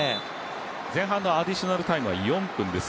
前半のアディショナルタイムは４分です。